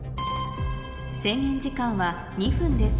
制限時間は２分です